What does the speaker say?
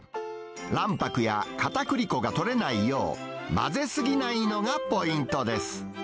卵白やかたくり粉が取れないよう、混ぜ過ぎないのがポイントです。